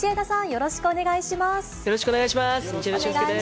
よろしくお願いします。